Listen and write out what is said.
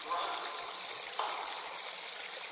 په لاس لیکل د تجربو د شریکولو طریقه ده.